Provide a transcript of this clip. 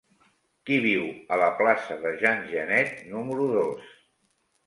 Qui viu a la plaça de Jean Genet número dos?